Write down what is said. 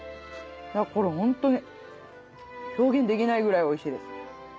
これホントに表現できないぐらいおいしいです。